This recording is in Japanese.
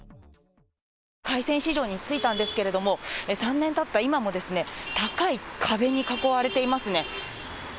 海鮮市場に着いたんですけれども、３年たった今もですね、高い壁に囲われていますね。